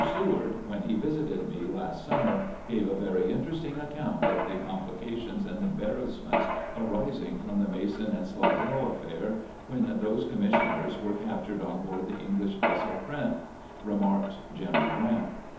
Seward, when he visited me last summer, gave a very interesting account of the compli cations and embarrassments arising from the Mason and Slidell affair, when those commissioners were cap tured on board the English vessel Trent," remarked Greneral Grant.